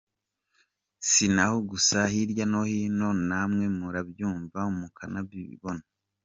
Si n’aho gusa hirya no hino namwe murabyumva mukanabibona.